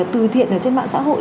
từ thiện trên mạng xã hội